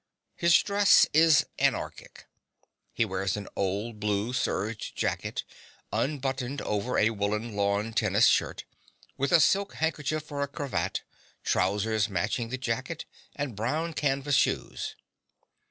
His dress is anarchic. He wears an old blue serge jacket, unbuttoned over a woollen lawn tennis shirt, with a silk handkerchief for a cravat, trousers matching the jacket, and brown canvas shoes.